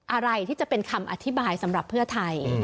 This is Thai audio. อะไรที่จะเป็นคำอธิบายสำหรับเพื่อไทย